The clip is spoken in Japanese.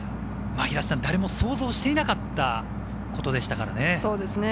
誰も想像していなかったことでしたからね。